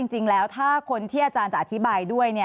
จริงแล้วถ้าคนที่อาจารย์จะอธิบายด้วย